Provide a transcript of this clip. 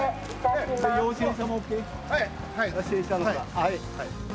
はい。